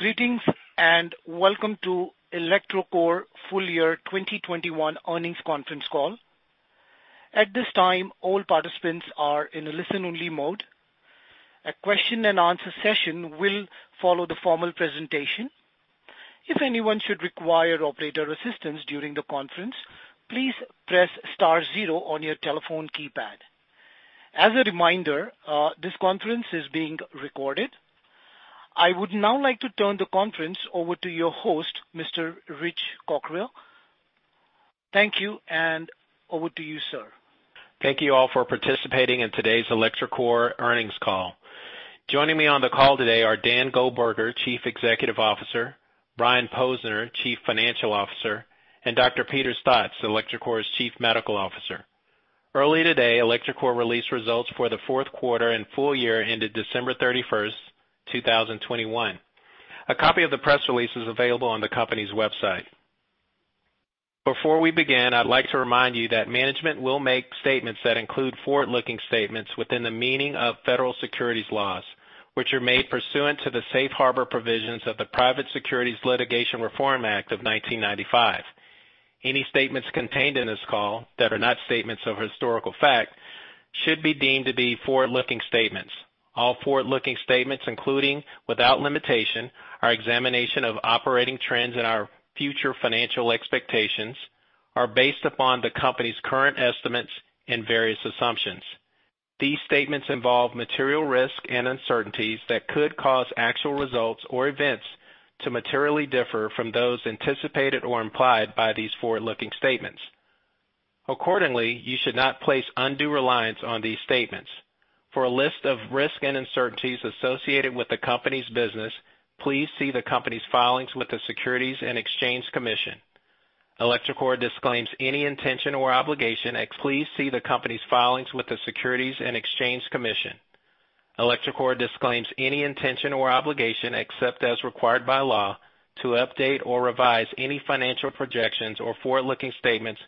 Greetings, and welcome to electroCore Full Year 2021 Earnings Conference Call. At this time, all participants are in a listen-only mode. A question and answer session will follow the formal presentation. If anyone should require operator assistance during the conference, please press star zero on your telephone keypad. As a reminder, this conference is being recorded. I would now like to turn the conference over to your host, Mr. Rich Cockrell. Thank you, and over to you, sir. Thank you all for participating in today's electroCore earnings call. Joining me on the call today are Dan Goldberger, Chief Executive Officer, Brian Posner, Chief Financial Officer, and Dr. Peter Staats, electroCore's Chief Medical Officer. Early today, electroCore released results for the fourth quarter and full year ended December 31, 2021. A copy of the press release is available on the company's website. Before we begin, I'd like to remind you that management will make statements that include forward-looking statements within the meaning of federal securities laws, which are made pursuant to the safe harbor provisions of the Private Securities Litigation Reform Act of 1995. Any statements contained in this call that are not statements of historical fact should be deemed to be forward-looking statements. All forward-looking statements, including, without limitation, our examination of operating trends and our future financial expectations, are based upon the company's current estimates and various assumptions. These statements involve material risks and uncertainties that could cause actual results or events to materially differ from those anticipated or implied by these forward-looking statements. Accordingly, you should not place undue reliance on these statements. For a list of risks and uncertainties associated with the company's business, please see the company's filings with the Securities and Exchange Commission. electroCore disclaims any intention or obligation, except as required by law, to update or revise any financial projections or forward-looking statements,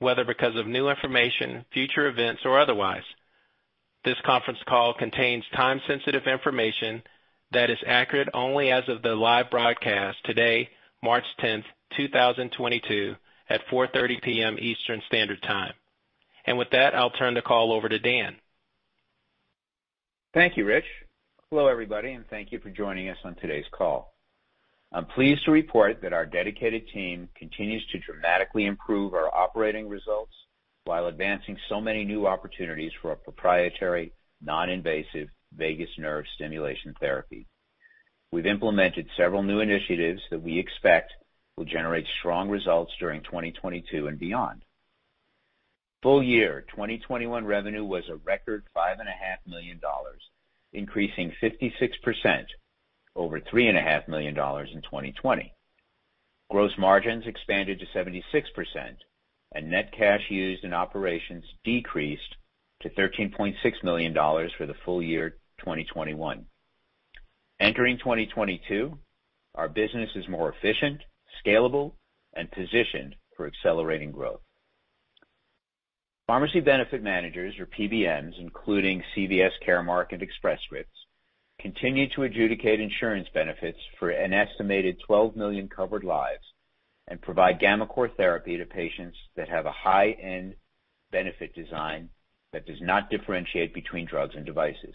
whether because of new information, future events, or otherwise. This conference call contains time-sensitive information that is accurate only as of the live broadcast today, March 10th, 2022, at 4:30 P.M. Eastern Standard Time. With that, I'll turn the call over to Dan. Thank you, Rich. Hello, everybody, and thank you for joining us on today's call. I'm pleased to report that our dedicated team continues to dramatically improve our operating results while advancing so many new opportunities for our proprietary non-invasive vagus nerve stimulation therapy. We've implemented several new initiatives that we expect will generate strong results during 2022 and beyond. Full year 2021 revenue was a record $5.5 million, increasing 56% over $3.5 million in 2020. Gross margins expanded to 76%, and net cash used in operations decreased to $13.6 million for the full year 2021. Entering 2022, our business is more efficient, scalable, and positioned for accelerating growth. Pharmacy benefit managers, or PBMs, including CVS Caremark and Express Scripts, continue to adjudicate insurance benefits for an estimated 12 million covered lives and provide gammaCore therapy to patients that have a high-end benefit design that does not differentiate between drugs and devices.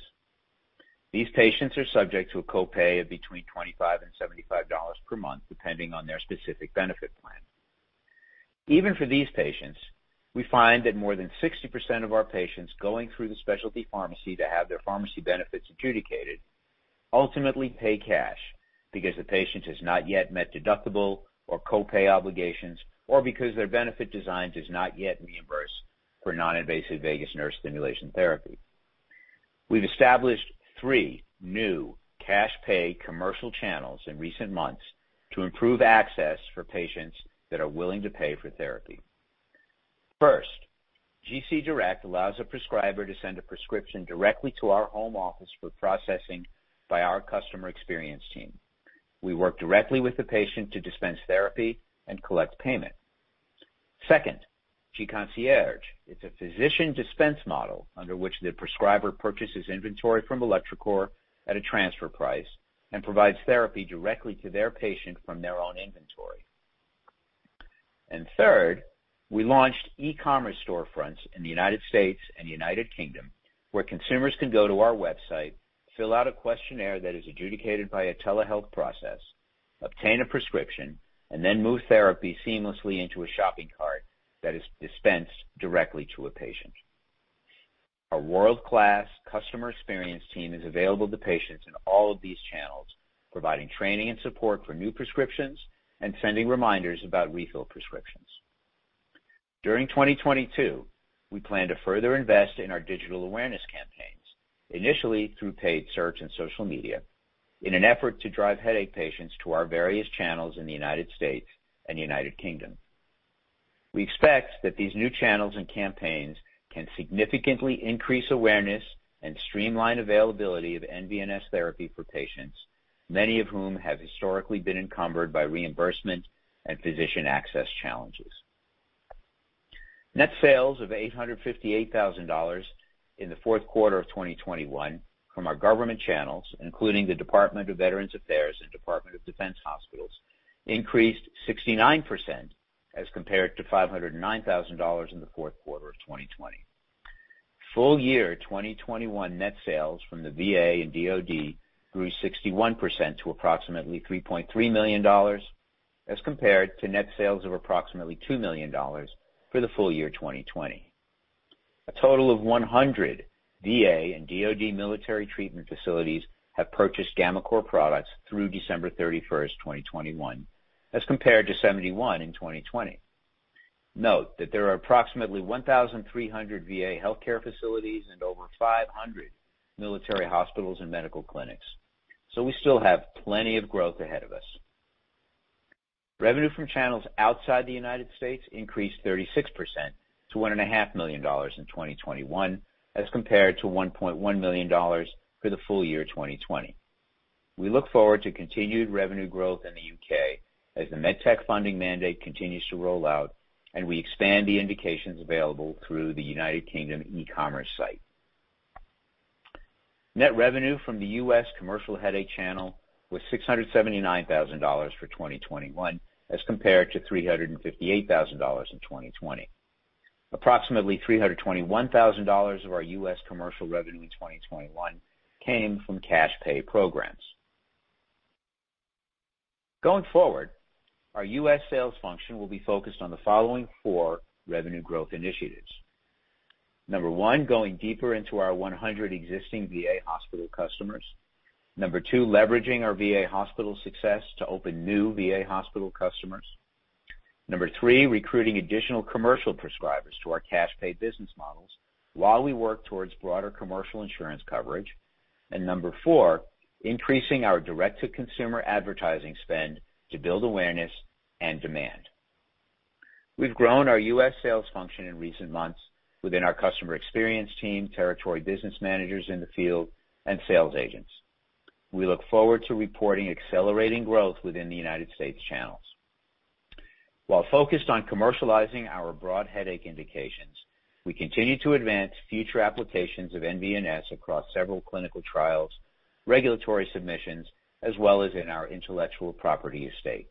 These patients are subject to a copay of between $25 and $75 per month, depending on their specific benefit plan. Even for these patients, we find that more than 60% of our patients going through the specialty pharmacy to have their pharmacy benefits adjudicated ultimately pay cash because the patient has not yet met deductible or copay obligations or because their benefit design does not yet reimburse for non-invasive vagus nerve stimulation therapy. We've established three new cash pay commercial channels in recent months to improve access for patients that are willing to pay for therapy. First, GC Direct allows a prescriber to send a prescription directly to our home office for processing by our customer experience team. We work directly with the patient to dispense therapy and collect payment. Second, GC Concierge. It's a physician dispense model under which the prescriber purchases inventory from electroCore at a transfer price and provides therapy directly to their patient from their own inventory. Third, we launched e-commerce storefronts in the United States and United Kingdom, where consumers can go to our website, fill out a questionnaire that is adjudicated by a telehealth process, obtain a prescription, and then move therapy seamlessly into a shopping cart that is dispensed directly to a patient. Our world-class customer experience team is available to patients in all of these channels, providing training and support for new prescriptions and sending reminders about refill prescriptions. During 2022, we plan to further invest in our digital awareness campaigns, initially through paid search and social media, in an effort to drive headache patients to our various channels in the United States and United Kingdom. We expect that these new channels and campaigns can significantly increase awareness and streamline availability of nVNS therapy for patients, many of whom have historically been encumbered by reimbursement and physician access challenges. Net sales of $858,000 in the fourth quarter of 2021 from our government channels, including the Department of Veterans Affairs and Department of Defense hospitals, increased 69% as compared to $509,000 in the fourth quarter of 2020. Full year 2021 net sales from the VA and DoD grew 61% to approximately $3.3 million as compared to net sales of approximately $2 million for the full year 2020. A total of 100 VA and DoD military treatment facilities have purchased gammaCore products through December 31st, 2021, as compared to 71 in 2020. Note that there are approximately 1,300 VA healthcare facilities and over 500 military hospitals and medical clinics. We still have plenty of growth ahead of us. Revenue from channels outside the United States increased 36% to $1.5 million in 2021, as compared to $1.1 million for the full year 2020. We look forward to continued revenue growth in the U.K. as the MedTech funding mandate continues to roll out and we expand the indications available through the United Kingdom e-commerce site. Net revenue from the U.S. commercial headache channel was $679,000 for 2021, as compared to $358,000 in 2020. Approximately $321,000 of our U.S. commercial revenue in 2021 came from cash pay programs. Going forward, our U.S. sales function will be focused on the following four revenue growth initiatives. Number one, going deeper into our 100 existing VA hospital customers. Number two, leveraging our VA hospital success to open new VA hospital customers. Number three, recruiting additional commercial prescribers to our cash pay business models while we work towards broader commercial insurance coverage. Number four, increasing our direct-to-consumer advertising spend to build awareness and demand. We've grown our U.S. sales function in recent months within our customer experience team, territory business managers in the field, and sales agents. We look forward to reporting accelerating growth within the United States channels. While focused on commercializing our broad headache indications, we continue to advance future applications of nVNS across several clinical trials, regulatory submissions, as well as in our intellectual property estate.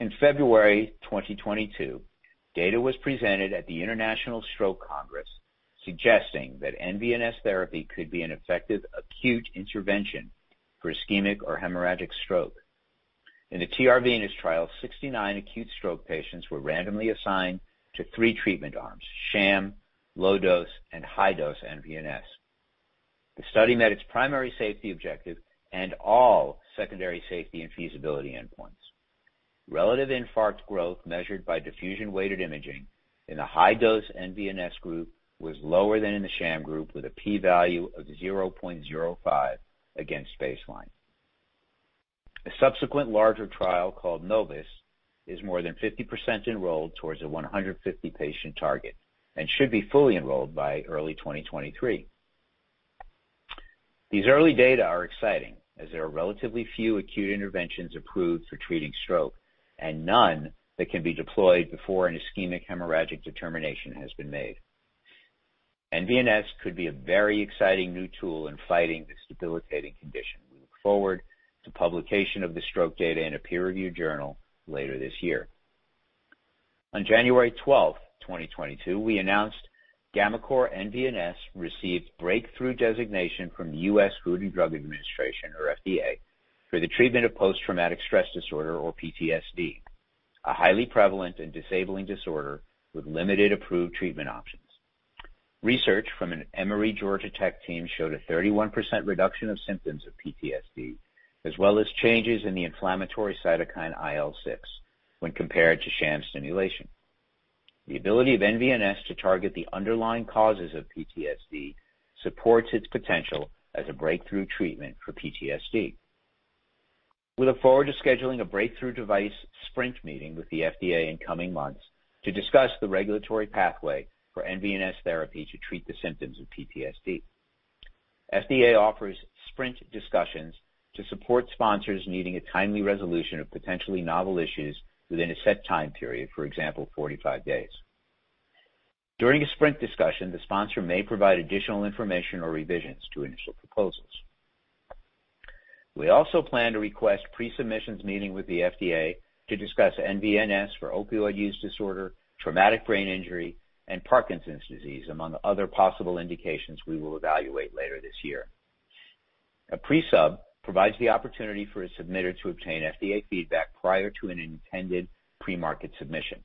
In February 2022, data was presented at the International Stroke Conference suggesting that nVNS therapy could be an effective acute intervention for ischemic or hemorrhagic stroke. In the TR-VENUS trial, 69 acute stroke patients were randomly assigned to three treatment arms, sham, low dose, and high dose nVNS. The study met its primary safety objective and all secondary safety and feasibility endpoints. Relative infarct growth measured by diffusion-weighted imaging in the high-dose nVNS group was lower than in the sham group with a p-value of 0.05 against baseline. A subsequent larger trial called NOVIS is more than 50% enrolled towards a 150-patient target and should be fully enrolled by early 2023. These early data are exciting as there are relatively few acute interventions approved for treating stroke, and none that can be deployed before an ischemic hemorrhagic determination has been made. nVNS could be a very exciting new tool in fighting this debilitating condition. We look forward to publication of the stroke data in a peer-reviewed journal later this year. On January 12th, 2022, we announced gammaCore nVNS received breakthrough designation from the US Food and Drug Administration or FDA for the treatment of post-traumatic stress disorder or PTSD, a highly prevalent and disabling disorder with limited approved treatment options. Research from an Emory Georgia Tech team showed a 31% reduction of symptoms of PTSD, as well as changes in the inflammatory cytokine IL-6 when compared to sham stimulation. The ability of nVNS to target the underlying causes of PTSD supports its potential as a breakthrough treatment for PTSD. We look forward to scheduling a breakthrough device sprint meeting with the FDA in coming months to discuss the regulatory pathway for nVNS therapy to treat the symptoms of PTSD. FDA offers sprint discussions to support sponsors needing a timely resolution of potentially novel issues within a set time period, for example, 45 days. During a sprint discussion, the sponsor may provide additional information or revisions to initial proposals. We also plan to request pre-submission meeting with the FDA to discuss nVNS for opioid use disorder, traumatic brain injury, and Parkinson's disease, among the other possible indications we will evaluate later this year. A pre-sub provides the opportunity for a submitter to obtain FDA feedback prior to an intended pre-market submission.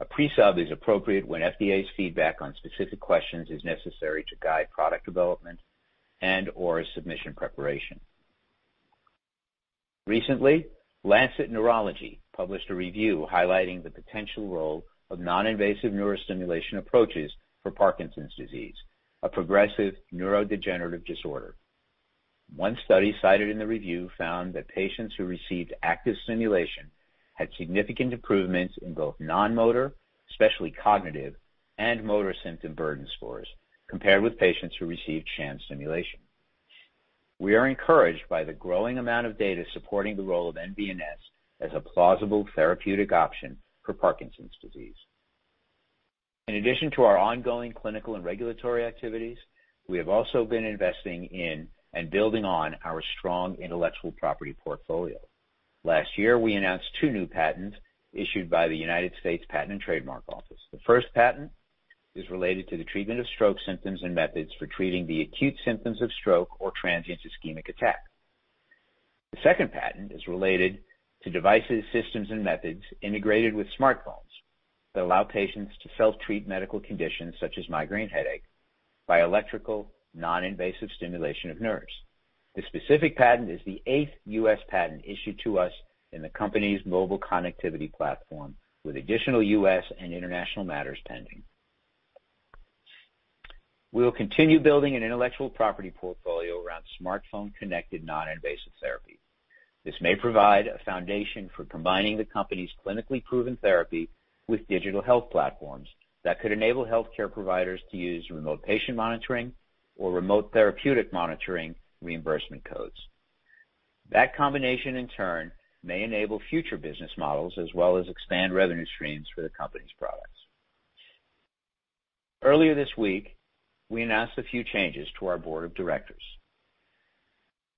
A pre-sub is appropriate when the FDA's feedback on specific questions is necessary to guide product development and/or submission preparation. Recently, The Lancet Neurology published a review highlighting the potential role of non-invasive neurostimulation approaches for Parkinson's disease, a progressive neurodegenerative disorder. One study cited in the review found that patients who received active stimulation had significant improvements in both non-motor, especially cognitive, and motor symptom burden scores compared with patients who received sham stimulation. We are encouraged by the growing amount of data supporting the role of nVNS as a plausible therapeutic option for Parkinson's disease. In addition to our ongoing clinical and regulatory activities, we have also been investing in and building on our strong intellectual property portfolio. Last year, we announced two new patents issued by the United States Patent and Trademark Office. The first patent is related to the treatment of stroke symptoms and methods for treating the acute symptoms of stroke or transient ischemic attack. The second patent is related to devices, systems, and methods integrated with smartphones that allow patients to self-treat medical conditions such as migraine headache by electrical non-invasive stimulation of nerves. This specific patent is the eighth U.S. patent issued to us in the company's mobile connectivity platform, with additional U.S. and international matters pending. We will continue building an intellectual property portfolio around smartphone-connected, non-invasive therapy. This may provide a foundation for combining the company's clinically proven therapy with digital health platforms that could enable healthcare providers to use remote patient monitoring or remote therapeutic monitoring reimbursement codes. That combination, in turn, may enable future business models as well as expand revenue streams for the company's products. Earlier this week, we announced a few changes to our board of directors.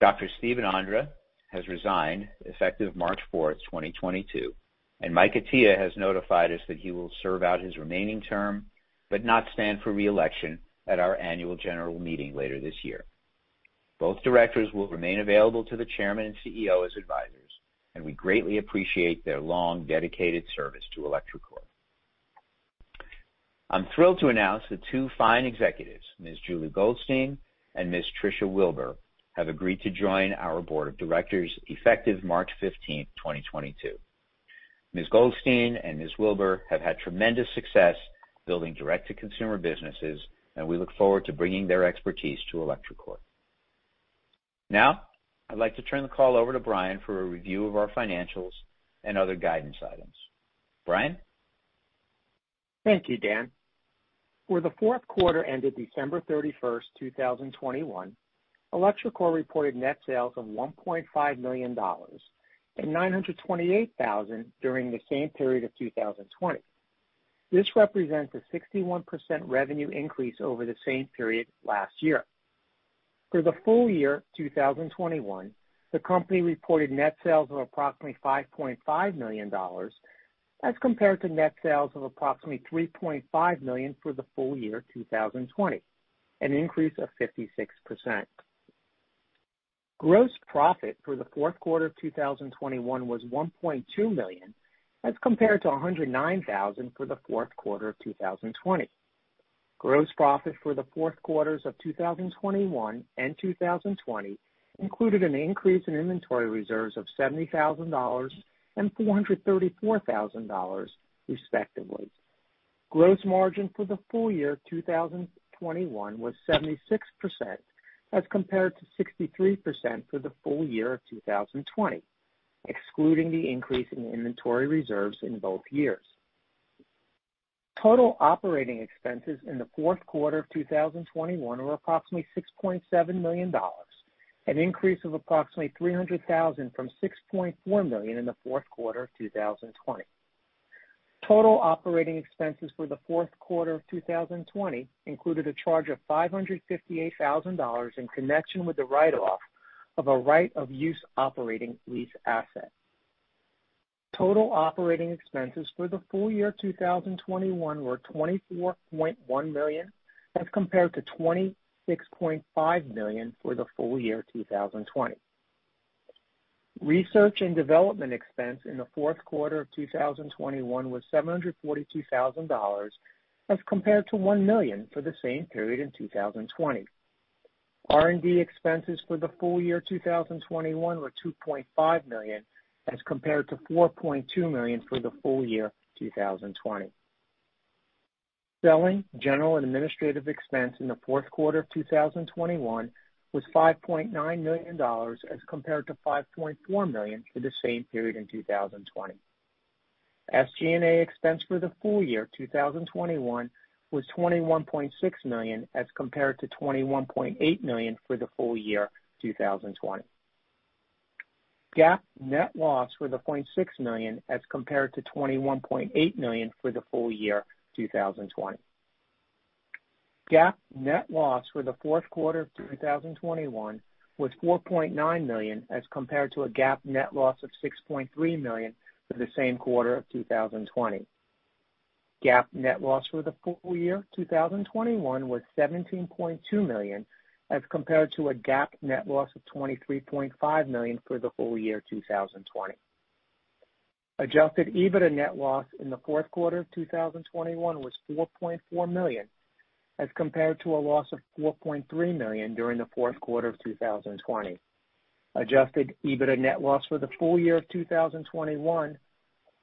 Dr. Steven Andre has resigned effective March 4, 2022, and Mike Atieh has notified us that he will serve out his remaining term but not stand for re-election at our annual general meeting later this year. Both directors will remain available to the chairman and CEO as advisors, and we greatly appreciate their long, dedicated service to electroCore. I'm thrilled to announce that two fine executives, Ms. Julie Goldstein and Ms. Tricia Wilbur, have agreed to join our board of directors effective March 15, 2022. Ms. Goldstein and Ms. Wilbur have had tremendous success building direct-to-consumer businesses, and we look forward to bringing their expertise to electroCore. Now, I'd like to turn the call over to Brian for a review of our financials and other guidance items. Brian? Thank you, Dan. For the fourth quarter ended December 31st, 2021, electroCore reported net sales of $1.5 million and $928,000 during the same period of 2020. This represents a 61% revenue increase over the same period last year. For the full year 2021, the company reported net sales of approximately $5.5 million as compared to net sales of approximately $3.5 million for the full year 2020, an increase of 56%. Gross profit for the fourth quarter of 2021 was $1.2 million as compared to $109,000 for the fourth quarter of 2020. Gross profit for the fourth quarters of 2021 and 2020 included an increase in inventory reserves of $70,000 and $434,000, respectively. Gross margin for the full year 2021 was 76% as compared to 63% for the full year of 2020, excluding the increase in inventory reserves in both years. Total operating expenses in the fourth quarter of 2021 were approximately $6.7 million, an increase of approximately $300,000 from $6.4 million in the fourth quarter of 2020. Total operating expenses for the fourth quarter of 2020 included a charge of $558,000 in connection with the write-off of a right of use operating lease asset. Total operating expenses for the full year 2021 were $24.1 million as compared to $26.5 million for the full year 2020. Research and development expense in the fourth quarter of 2021 was $742,000 as compared to $1 million for the same period in 2020. R&D expenses for the full year 2021 were $2.5 million as compared to $4.2 million for the full year 2020. Selling, general, and administrative expense in the fourth quarter of 2021 was $5.9 million as compared to $5.4 million for the same period in 2020. SG&A expense for the full year 2021 was $21.6 million as compared to $21.8 million for the full year 2020. GAAP net loss was $0.6 million as compared to $21.8 million for the full year 2020. GAAP net loss for the fourth quarter of 2021 was $4.9 million as compared to a GAAP net loss of $6.3 million for the same quarter of 2020. GAAP net loss for the full year 2021 was $17.2 million as compared to a GAAP net loss of $23.5 million for the full year 2020. Adjusted EBITDA net loss in the fourth quarter of 2021 was $4.4 million as compared to a loss of $4.3 million during the fourth quarter of 2020. Adjusted EBITDA net loss for the full year of 2021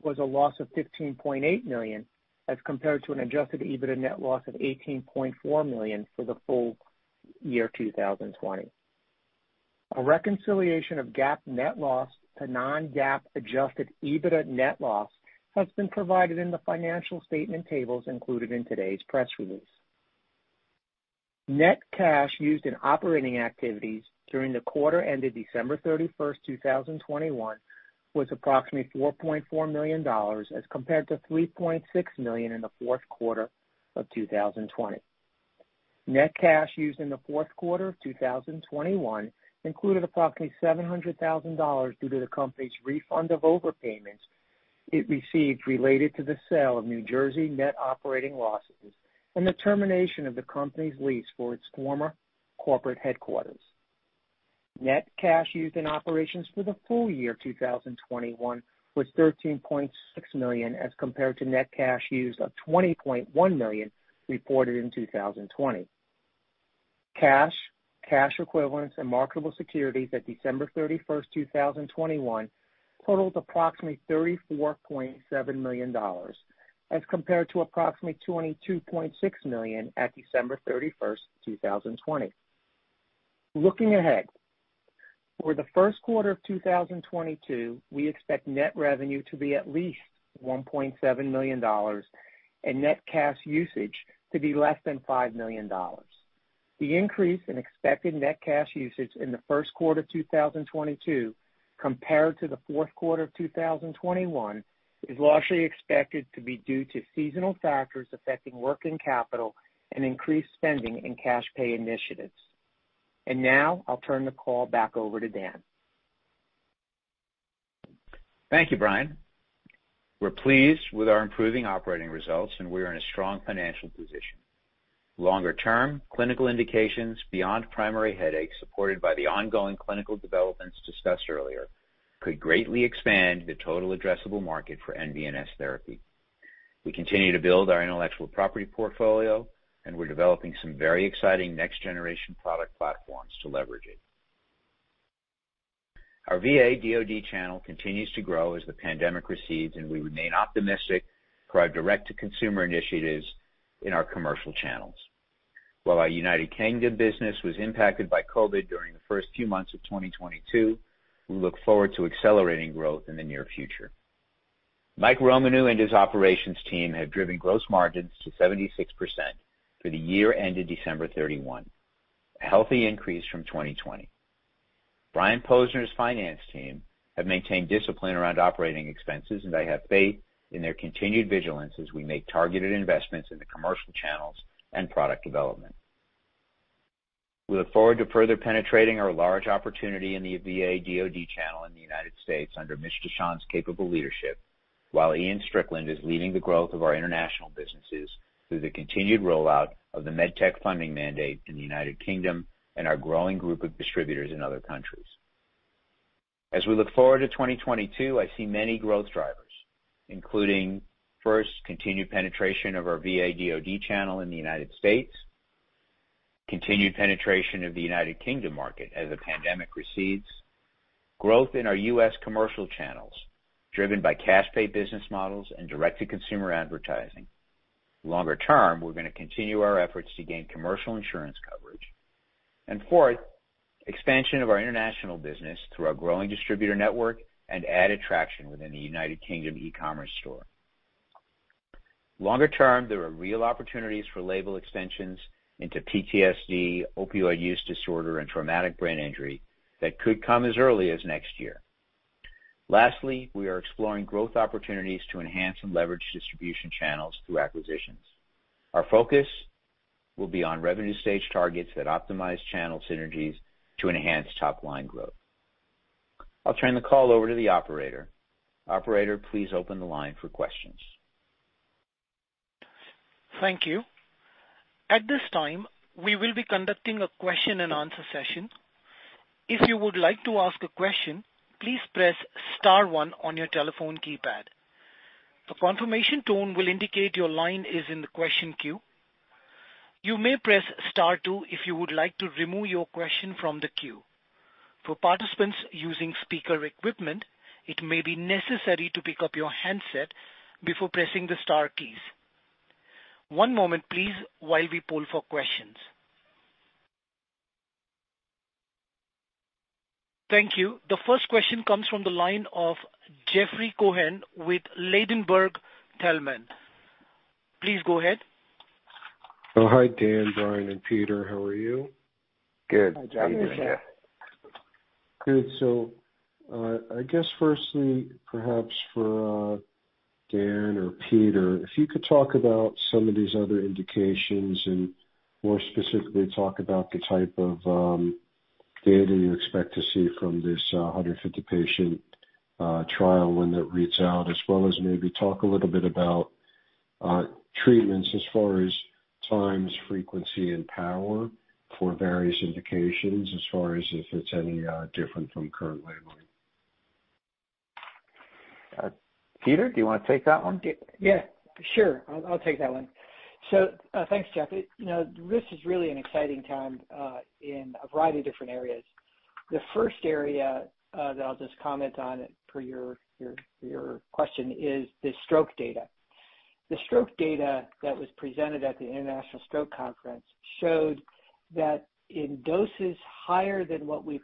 was a loss of $15.8 million as compared to an adjusted EBITDA net loss of $18.4 million for the full year 2020. A reconciliation of GAAP net loss to non-GAAP adjusted EBITDA net loss has been provided in the financial statement tables included in today's press release. Net cash used in operating activities during the quarter ended December 31st, 2021 was approximately $4.4 million as compared to $3.6 million in the fourth quarter of 2020. Net cash used in the fourth quarter of 2021 included approximately $700,000 due to the company's refund of overpayments it received related to the sale of New Jersey net operating losses and the termination of the company's lease for its former corporate headquarters. Net cash used in operations for the full year 2021 was $13.6 million as compared to net cash used of $20.1 million reported in 2020. Cash, cash equivalents, and marketable securities at December 31, 2021 totaled approximately $34.7 million as compared to approximately $22.6 million at December 31, 2020. Looking ahead, for the first quarter of 2022, we expect net revenue to be at least $1.7 million and net cash usage to be less than $5 million. The increase in expected net cash usage in the first quarter of 2022 compared to the fourth quarter of 2021 is largely expected to be due to seasonal factors affecting working capital and increased spending in cash pay initiatives. Now I'll turn the call back over to Dan. Thank you, Brian. We're pleased with our improving operating results, and we are in a strong financial position. Longer term, clinical indications beyond primary headaches supported by the ongoing clinical developments discussed earlier could greatly expand the total addressable market for nVNS therapy. We continue to build our intellectual property portfolio, and we're developing some very exciting next-generation product platforms to leverage it. Our VA/DoD channel continues to grow as the pandemic recedes, and we remain optimistic for our direct-to-consumer initiatives in our commercial channels. While our United Kingdom business was impacted by COVID during the first few months of 2022, we look forward to accelerating growth in the near future. Mike Romaniw and his operations team have driven gross margins to 76% for the year ended December 31, a healthy increase from 2020. Brian Posner's finance team have maintained discipline around operating expenses, and I have faith in their continued vigilance as we make targeted investments in the commercial channels and product development. We look forward to further penetrating our large opportunity in the VA/DoD channel in the United States under Mitch DeShon's capable leadership, while Iain Strickland is leading the growth of our international businesses through the continued rollout of the MedTech funding mandate in the United Kingdom and our growing group of distributors in other countries. As we look forward to 2022, I see many growth drivers, including, first, continued penetration of our VA/DoD channel in the United States, continued penetration of the United Kingdom market as the pandemic recedes, growth in our U.S. commercial channels driven by cash pay business models and direct-to-consumer advertising. Longer term, we're gonna continue our efforts to gain commercial insurance coverage. Fourth, expansion of our international business through our growing distributor network and added traction within the United Kingdom e-commerce store. Longer term, there are real opportunities for label extensions into PTSD, opioid use disorder, and traumatic brain injury that could come as early as next year. Lastly, we are exploring growth opportunities to enhance and leverage distribution channels through acquisitions. Our focus will be on revenue stage targets that optimize channel synergies to enhance top-line growth. I'll turn the call over to the operator. Operator, please open the line for questions. Thank you. At this time, we will be conducting a question-and-answer session. If you would like to ask a question, please press star one on your telephone keypad. A confirmation tone will indicate your line is in the question queue. You may press star two if you would like to remove your question from the queue. For participants using speaker equipment, it may be necessary to pick up your handset before pressing the star keys. One moment, please, while we poll for questions. Thank you. The first question comes from the line of Jeffrey Cohen with Ladenburg Thalmann. Please go ahead. Oh, hi, Dan, Brian, and Peter. How are you? Good. Hi, Jeff. How are you? Good. I guess firstly perhaps for Dan or Peter, if you could talk about some of these other indications and more specifically talk about the type of data you expect to see from this 150-patient trial when that reads out, as well as maybe talk a little bit about treatments as far as times, frequency, and power for various indications as far as if it's any different from current labeling. Peter, do you wanna take that one? Yeah, sure. I'll take that one. Thanks, Jeff. You know, this is really an exciting time in a variety of different areas. The first area that I'll just comment on it per your question is the stroke data. The stroke data that was presented at the International Stroke Conference showed that in doses higher than what we've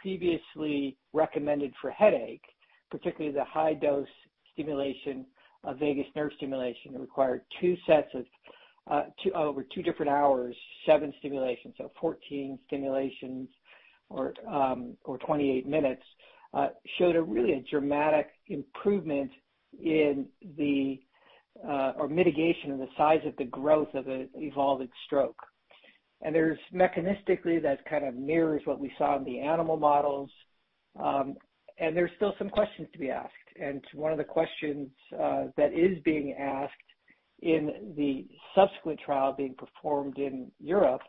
previously recommended for headache. Particularly the high dose stimulation of vagus nerve stimulation that required two sets of 2 over 2 different hours, seven stimulations, so 14 stimulations or 28 minutes showed a really dramatic improvement or mitigation in the size of the growth of an evolving stroke. There is mechanistically that kind of mirrors what we saw in the animal models. There are still some questions to be asked, and one of the questions that is being asked in the subsequent trial being performed in Europe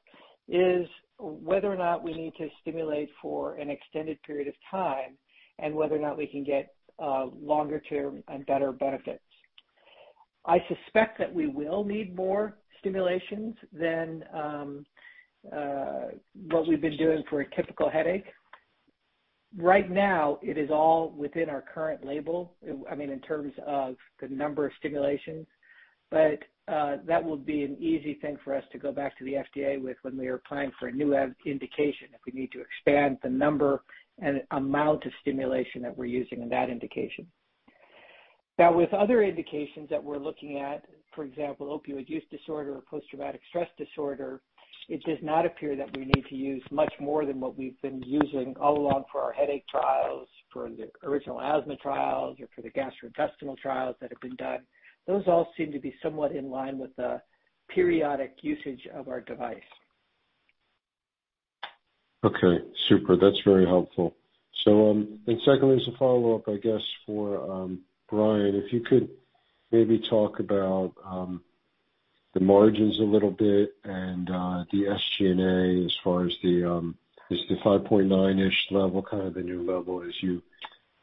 is whether or not we need to stimulate for an extended period of time and whether or not we can get longer-term and better benefits. I suspect that we will need more stimulations than what we've been doing for a typical headache. Right now, it is all within our current label, I mean, in terms of the number of stimulations. That will be an easy thing for us to go back to the FDA with when we are applying for a new indication, if we need to expand the number and amount of stimulation that we're using in that indication. Now, with other indications that we're looking at, for example, opioid use disorder or post-traumatic stress disorder, it does not appear that we need to use much more than what we've been using all along for our headache trials, for the original asthma trials, or for the gastrointestinal trials that have been done. Those all seem to be somewhat in line with the periodic usage of our device. Okay, super. That's very helpful. Secondly, as a follow-up, I guess, for Brian, if you could maybe talk about the margins a little bit and the SG&A as far as the is the 5.9%-ish level kind of the new level as you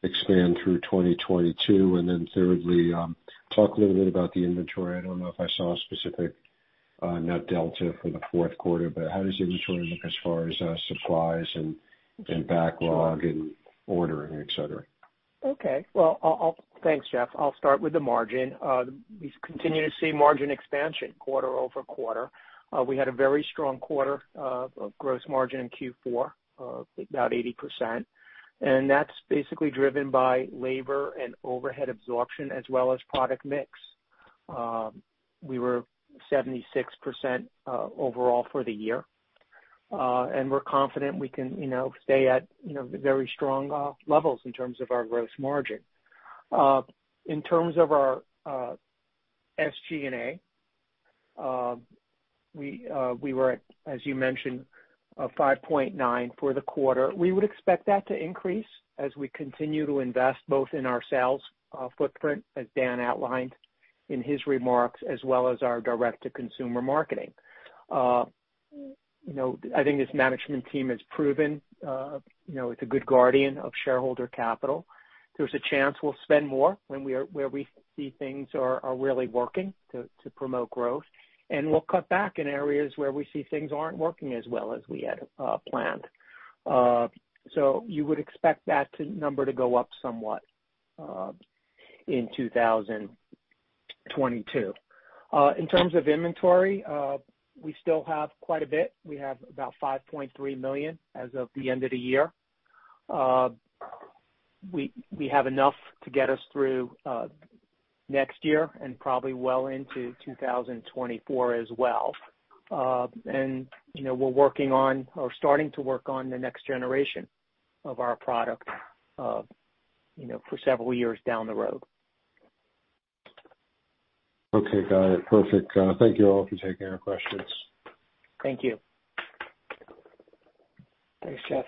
expand through 2022? Thirdly, talk a little bit about the inventory. I don't know if I saw a specific net delta for the fourth quarter, but how does the inventory look as far as supplies and backlog and ordering, et cetera? Okay. Well, I'll—Thanks, Jeff. I'll start with the margin. We continue to see margin expansion quarter-over-quarter. We had a very strong quarter of gross margin in Q4, about 80%. That's basically driven by labor and overhead absorption as well as product mix. We were 76% overall for the year. We're confident we can, you know, stay at, you know, very strong levels in terms of our gross margin. In terms of our SG&A, we were at, as you mentioned, $5.9 for the quarter. We would expect that to increase as we continue to invest both in our sales footprint, as Dan outlined in his remarks, as well as our direct-to-consumer marketing. You know, I think this management team has proven, you know, it's a good guardian of shareholder capital. There's a chance we'll spend more where we see things are really working to promote growth. We'll cut back in areas where we see things aren't working as well as we had planned. You would expect that number to go up somewhat in 2022. In terms of inventory, we still have quite a bit. We have about $5.3 million as of the end of the year. We have enough to get us through next year and probably well into 2024 as well. You know, we're working on or starting to work on the next generation of our product, you know, for several years down the road. Okay. Got it. Perfect. Thank you all for taking our questions. Thank you. Thanks, Jeff.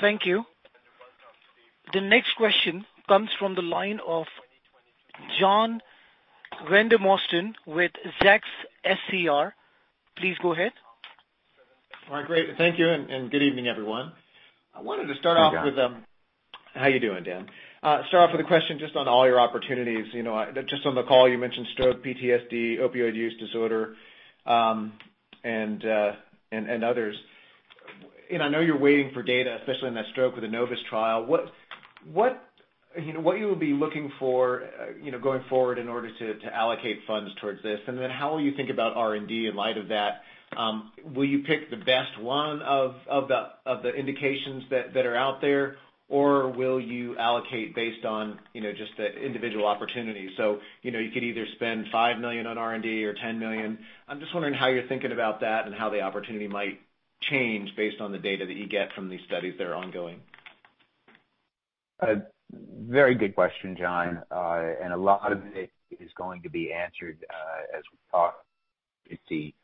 Thank you. The next question comes from the line of John Vandermosten with Zacks SCR. Please go ahead. All right, great. Thank you, and good evening, everyone. I wanted to start off with Hey, John. How you doing, Dan? Start off with a question just on all your opportunities. You know, just on the call you mentioned stroke, PTSD, opioid use disorder, and others. I know you're waiting for data, especially in that stroke with the NOVIS trial. What you'll be looking for, you know, going forward in order to allocate funds towards this? How will you think about R&D in light of that? Will you pick the best one of the indications that are out there? Will you allocate based on, you know, just the individual opportunities? You know, you could either spend $5 million on R&D or $10 million. I'm just wondering how you're thinking about that and how the opportunity might change based on the data that you get from these studies that are ongoing. A very good question, John. A lot of it is going to be answered as we talk with the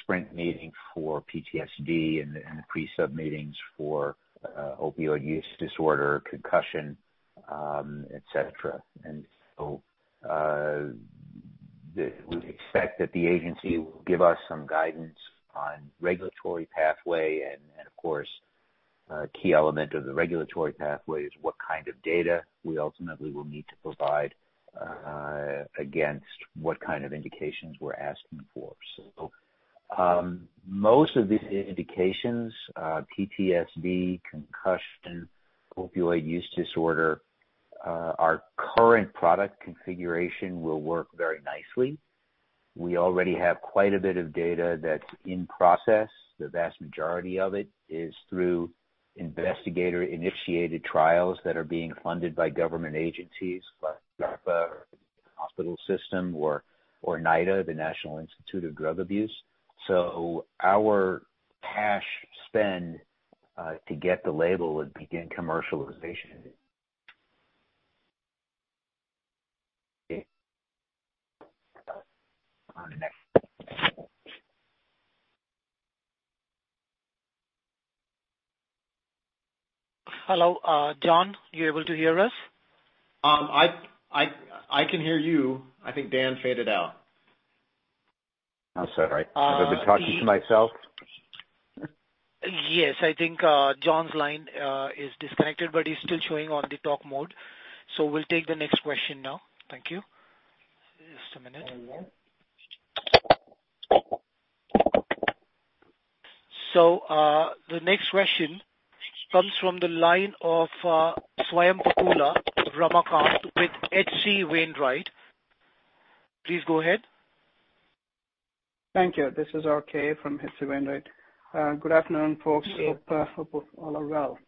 Sprint meeting for PTSD and the pre-sub meetings for opioid use disorder, concussion, et cetera. We expect that the agency will give us some guidance on regulatory pathway and, of course, a key element of the regulatory pathway is what kind of data we ultimately will need to provide against what kind of indications we're asking for. Most of the indications, PTSD, concussion, opioid use disorder, our current product configuration will work very nicely. We already have quite a bit of data that's in process. The vast majority of it is through investigator-initiated trials that are being funded by government agencies like DARPA or hospital system or NIDA, the National Institute on Drug Abuse. Our cash spend to get the label would begin commercialization. Hello, John, you able to hear us? I can hear you. I think Dan faded out. I'm sorry. Uh- Have I been talking to myself? Yes. I think John's line is disconnected, but he's still showing on the talk mode. We'll take the next question now. Thank you. Just a minute. The next question comes from the line of Swayampakula Ramakanth with H.C. Wainwright. Please go ahead. Thank you. This is RK from H.C. Wainwright. Good afternoon, folks. Hope all are well.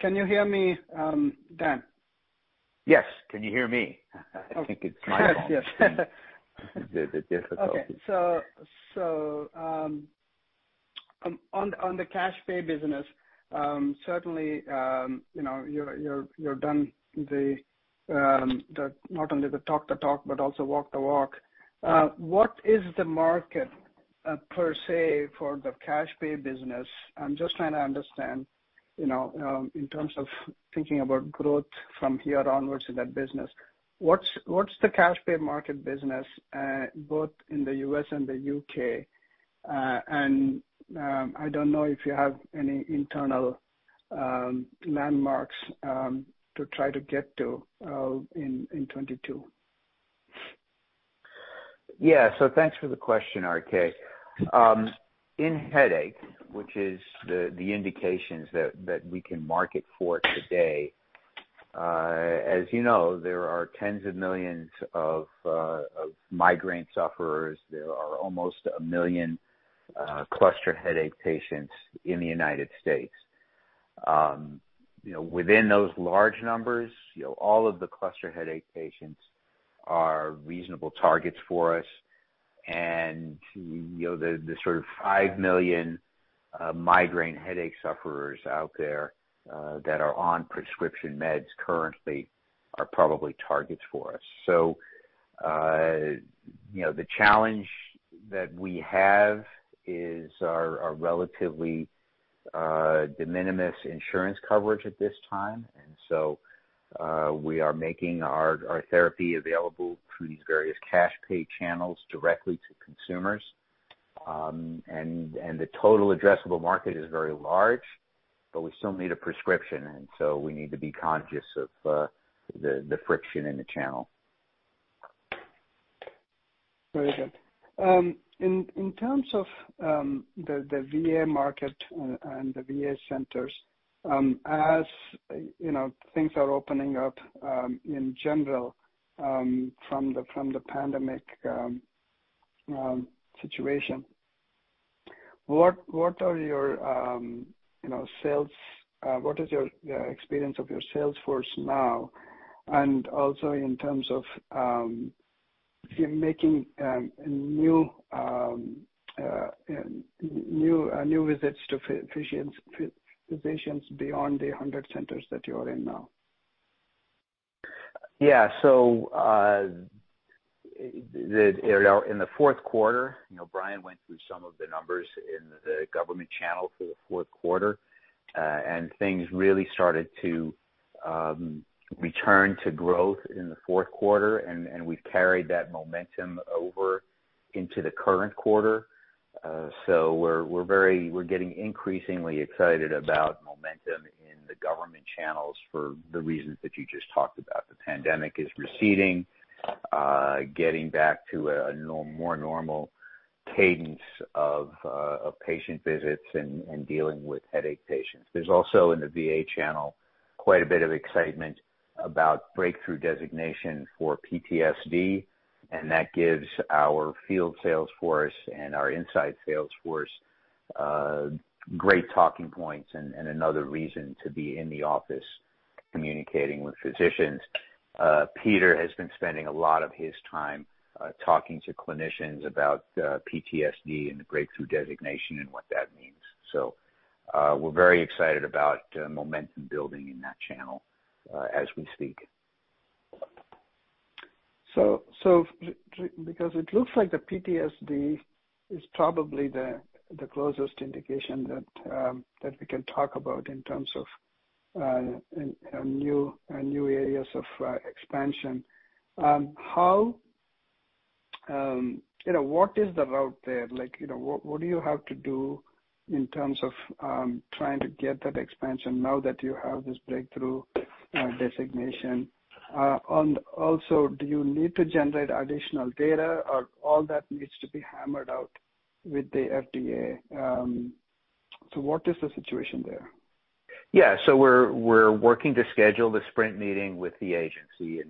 Can you hear me, Dan? Yes. Can you hear me? Okay. I think it's my fault. Yes. Yes. Bit difficult. Okay. On the cash pay business, certainly, you know, you've not only talked the talk, but also walked the walk. What is the market per se for the cash pay business? I'm just trying to understand, you know, in terms of thinking about growth from here onwards in that business. What's the cash pay market business both in the U.S. and the U.K.? I don't know if you have any internal landmarks to try to get to in 2022. Yeah. Thanks for the question, RK. In headache, which is the indications that we can market for today, as you know, there are tens of millions of migraine sufferers. There are almost 1 million cluster headache patients in the United States. You know, within those large numbers, you know, all of the cluster headache patients are reasonable targets for us. You know, the sort of 5 million migraine headache sufferers out there that are on prescription meds currently are probably targets for us. You know, the challenge that we have is our relatively de minimis insurance coverage at this time. We are making our therapy available through these various cash pay channels directly to consumers. The total addressable market is very large, but we still need a prescription, and so we need to be conscious of the friction in the channel. Very good. In terms of the VA market and the VA centers, as you know, things are opening up in general from the pandemic situation, what is your experience of your sales force now? Also in terms of you making new visits to physicians beyond the 100 centers that you are in now. Yeah. You know, in the fourth quarter, you know, Brian went through some of the numbers in the government channel for the fourth quarter, and things really started to return to growth in the fourth quarter, and we've carried that momentum over into the current quarter. We're getting increasingly excited about momentum in the government channels for the reasons that you just talked about. The pandemic is receding, getting back to a more normal cadence of patient visits and dealing with headache patients. There's also, in the VA channel, quite a bit of excitement about breakthrough designation for PTSD, and that gives our field sales force and our inside sales force great talking points and another reason to be in the office communicating with physicians. Peter has been spending a lot of his time talking to clinicians about PTSD and the breakthrough designation and what that means. We're very excited about momentum building in that channel as we speak. Because it looks like the PTSD is probably the closest indication that we can talk about in terms of a new areas of expansion. You know, what is the route there? Like, you know, what do you have to do in terms of trying to get that expansion now that you have this breakthrough designation? And also, do you need to generate additional data or all that needs to be hammered out with the FDA? What is the situation there? We're working to schedule the sprint meeting with the agency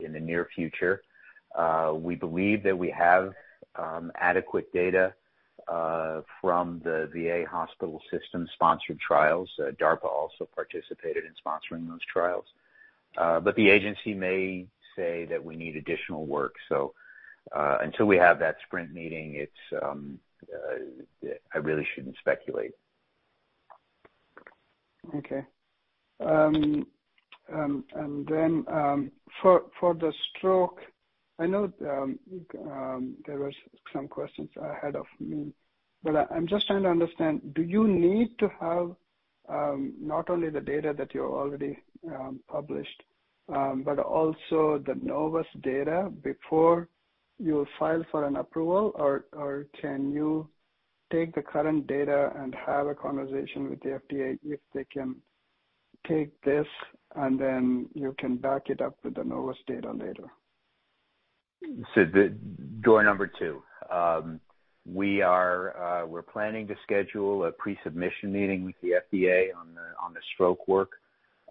in the near future. We believe that we have adequate data from the VA hospital system-sponsored trials. DARPA also participated in sponsoring those trials. The agency may say that we need additional work. Until we have that sprint meeting, I really shouldn't speculate. Okay. For the stroke, I know there was some questions ahead of me, but I'm just trying to understand, do you need to have not only the data that you already published, but also the NOVIS data before you file for an approval? Or can you take the current data and have a conversation with the FDA if they can take this and then you can back it up with the NOVIS data later? Door number two. We're planning to schedule a pre-submission meeting with the FDA on the stroke work.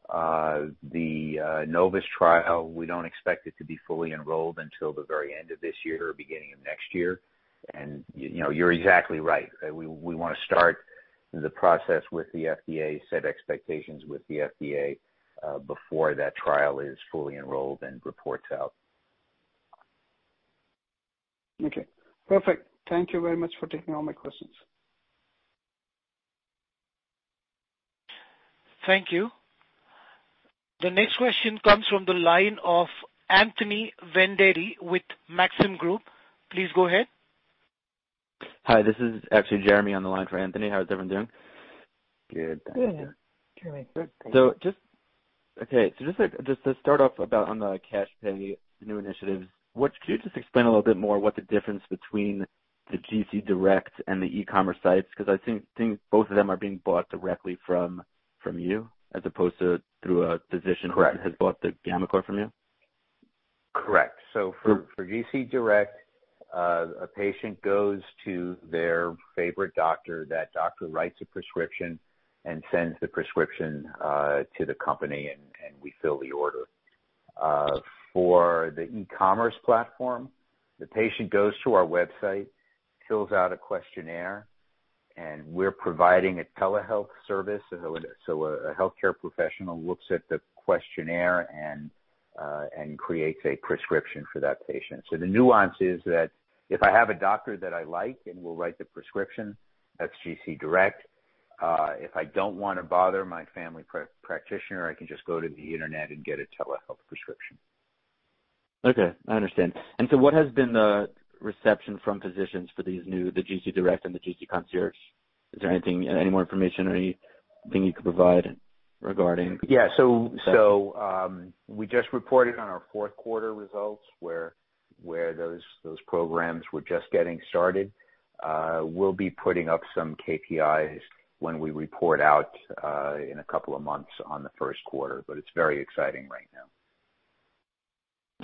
The NOVIS trial, we don't expect it to be fully enrolled until the very end of this year or beginning of next year. You know, you're exactly right. We wanna start the process with the FDA, set expectations with the FDA, before that trial is fully enrolled and reports out. Okay. Perfect. Thank you very much for taking all my questions. Thank you. The next question comes from the line of Anthony Vendetti with Maxim Group. Please go ahead. Hi, this is actually Jeremy on the line for Anthony. How is everyone doing? Good. Good. Jeremy. Just to start off about on the cash pay new initiatives, can you just explain a little bit more what the difference between the GC Direct and the e-commerce sites? 'Cause I think both of them are being bought directly from you as opposed to through a physician. Correct. Who has bought the gammaCore from you. Correct. For GC Direct, a patient goes to their favorite doctor, that doctor writes a prescription and sends the prescription to the company, and we fill the order. For the e-commerce platform, the patient goes to our website, fills out a questionnaire, and we're providing a telehealth service. A healthcare professional looks at the questionnaire and creates a prescription for that patient. The nuance is that if I have a doctor that I like and will write the prescription, that's GC Direct. If I don't wanna bother my family practitioner, I can just go to the internet and get a telehealth prescription. Okay. I understand. What has been the reception from physicians for these new, the GC Direct and the GC Concierge? Is there anything, any more information or anything you could provide regarding? We just reported on our fourth quarter results where those programs were just getting started. We'll be putting up some KPIs when we report out in a couple of months on the first quarter, but it's very exciting right now.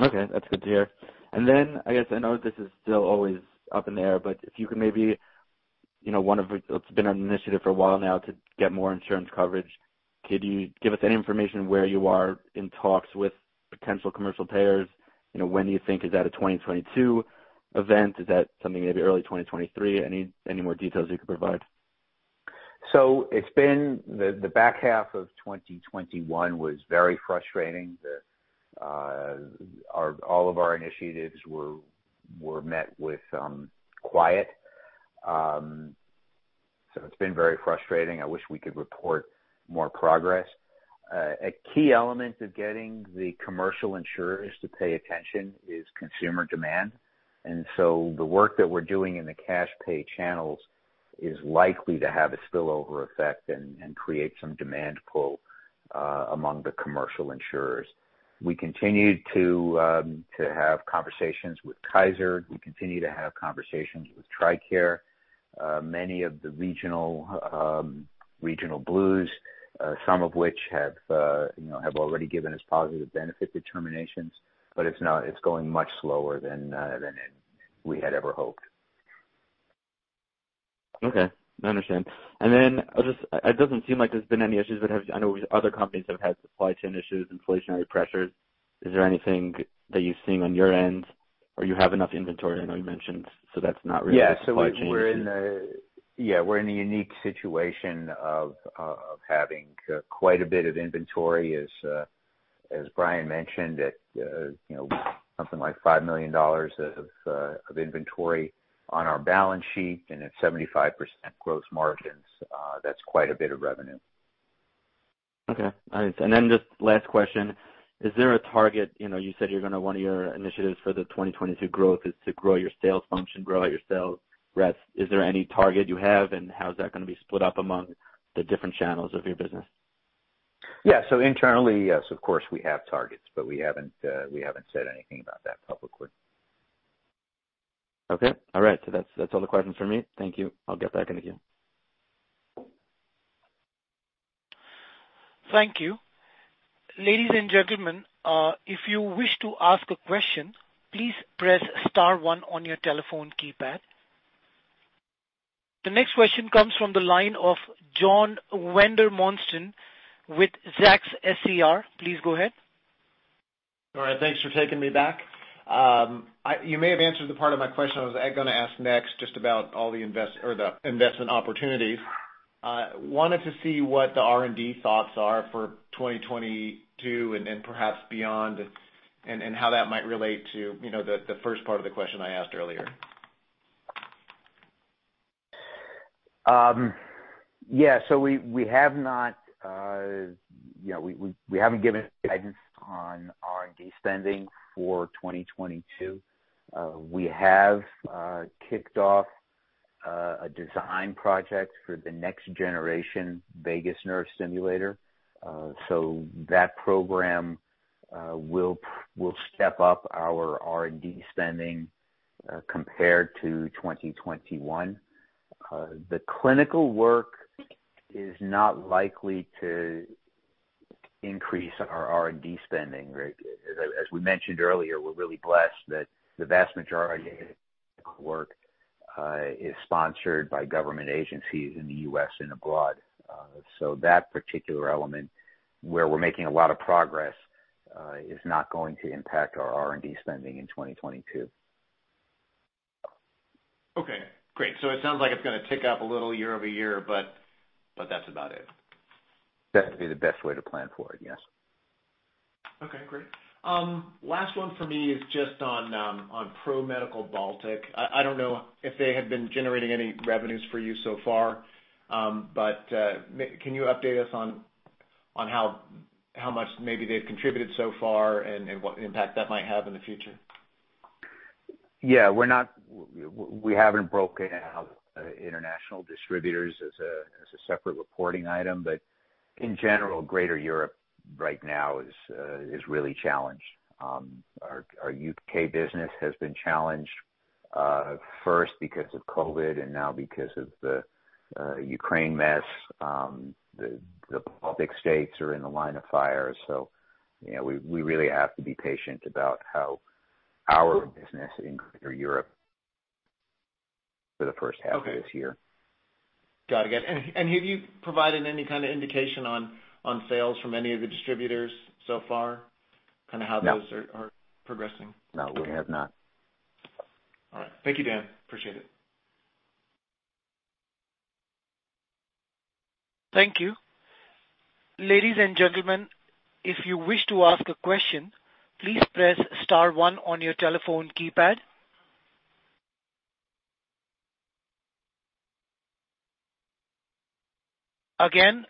Okay. That's good to hear. I guess I know this is still always up in the air, but if you could maybe, you know, It's been an initiative for a while now to get more insurance coverage. Could you give us any information where you are in talks with potential commercial payers? You know, when do you think, is that a 2022 event? Is that something maybe early 2023? Any more details you could provide? The back half of 2021 was very frustrating. All of our initiatives were met with quiet. It's been very frustrating. I wish we could report more progress. A key element of getting the commercial insurers to pay attention is consumer demand. The work that we're doing in the cash pay channels is likely to have a spillover effect and create some demand pull among the commercial insurers. We continue to have conversations with Kaiser. We continue to have conversations with TRICARE, many of the regional blues, some of which, you know, have already given us positive benefit determinations, but it's going much slower than we had ever hoped. Okay. I understand. It doesn't seem like there's been any issues, but I know other companies have had supply chain issues, inflationary pressures. Is there anything that you've seen on your end or you have enough inventory? I know you mentioned, so that's not really. Yeah. A supply chain issue. We're in a unique situation of having quite a bit of inventory as Brian mentioned, at you know, something like $5 million of inventory on our balance sheet and at 75% gross margins. That's quite a bit of revenue. Then just last question, is there a target? You know, you said you're gonna one of your initiatives for the 2022 growth is to grow your sales function, grow out your sales reps. Is there any target you have and how is that gonna be split up among the different channels of your business? Yeah. Internally, yes, of course, we have targets, but we haven't said anything about that publicly. Okay. All right. That's all the questions from me. Thank you. I'll get back into queue. Thank you. Ladies and gentlemen, if you wish to ask a question, please press star one on your telephone keypad. The next question comes from the line of John Vandermosten with Zacks SCR. Please go ahead. All right. Thanks for taking me back. You may have answered the part of my question I was gonna ask next just about all the investment opportunities. Wanted to see what the R&D thoughts are for 2022 and perhaps beyond, and how that might relate to, you know, the first part of the question I asked earlier. Yeah, you know, we haven't given guidance on R&D spending for 2022. We have kicked off a design project for the next generation vagus nerve stimulator. So that program will step up our R&D spending compared to 2021. The clinical work is not likely to increase our R&D spending. Right? As we mentioned earlier, we're really blessed that the vast majority of work is sponsored by government agencies in the U.S. and abroad. That particular element where we're making a lot of progress is not going to impact our R&D spending in 2022. Okay, great. It sounds like it's gonna tick up a little year over year, but that's about it. That would be the best way to plan for it. Yes. Okay, great. Last one for me is just on Pro Medical Baltic. I don't know if they have been generating any revenues for you so far. Can you update us on how much maybe they've contributed so far and what impact that might have in the future? Yeah, we're not. We haven't broken out international distributors as a separate reporting item. In general, Greater Europe right now is really challenged. Our U.K. business has been challenged first because of COVID and now because of the Ukraine mess. The Baltic States are in the line of fire. You know, we really have to be patient about how our business in Greater Europe for the first half of this year. Got it. Have you provided any kind of indication on sales from any of the distributors so far, kinda how? No. Those are progressing? No, we have not. All right. Thank you, Dan. Appreciate it. The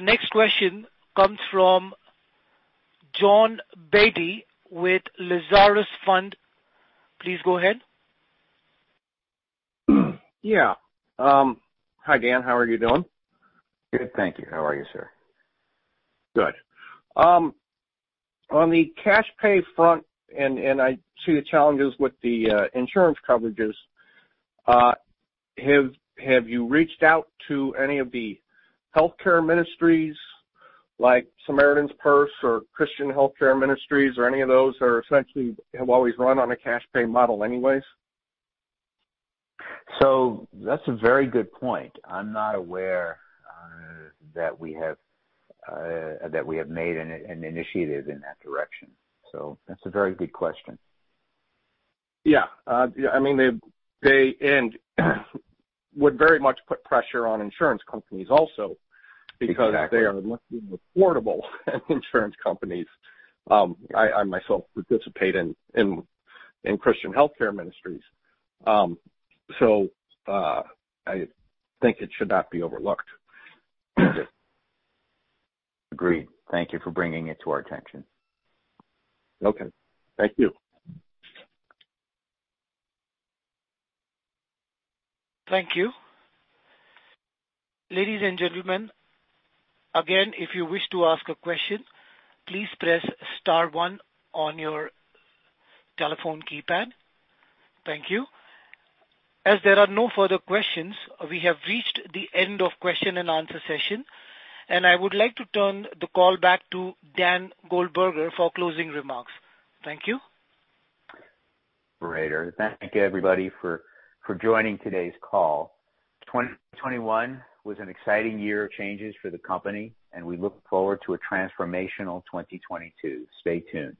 next question comes from John Beaty with Lazarus Fund. Please go ahead. Yeah. Hi, Dan. How are you doing? Good. Thank you. How are you, sir? Good. On the cash pay front, I see the challenges with the insurance coverages. Have you reached out to any of the healthcare ministries like Samaritan's Purse or Christian Healthcare Ministries or any of those who essentially have always run on a cash pay model anyways? That's a very good point. I'm not aware that we have made an initiative in that direction. That's a very good question. Yeah. Yeah, I mean, they would very much put pressure on insurance companies also because Exactly. They are much more affordable insurance companies. I myself participate in Christian Healthcare Ministries. I think it should not be overlooked. Agreed. Thank you for bringing it to our attention. Okay. Thank you. Thank you. Ladies and gentlemen, again, if you wish to ask a question, please press star one on your telephone keypad. Thank you. As there are no further questions, we have reached the end of question and answer session, and I would like to turn the call back to Dan Goldberger for closing remarks. Thank you. Great. Thank you everybody for joining today's call. 2021 was an exciting year of changes for the company, and we look forward to a transformational 2022. Stay tuned.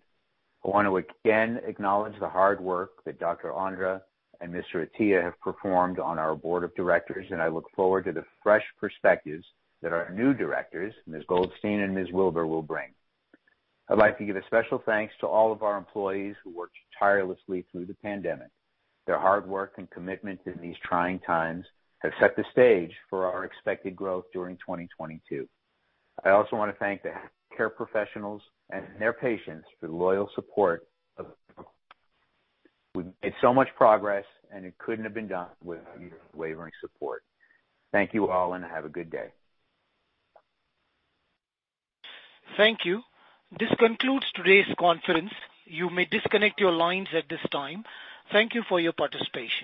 I want to again acknowledge the hard work that Dr. Andra and Mr. Atieh have performed on our board of directors, and I look forward to the fresh perspectives that our new directors, Ms. Goldstein and Ms. Wilbur, will bring. I'd like to give a special thanks to all of our employees who worked tirelessly through the pandemic. Their hard work and commitment in these trying times have set the stage for our expected growth during 2022. I also wanna thank the care professionals and their patients for the loyal support of gammaCore. We've made so much progress, and it couldn't have been done without your unwavering support. Thank you all, and have a good day. Thank you. This concludes today's conference. You may disconnect your lines at this time. Thank you for your participation.